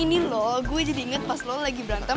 ini loh gue jadi inget pas lo lagi berantem